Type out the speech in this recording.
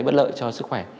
bất lợi cho sức khỏe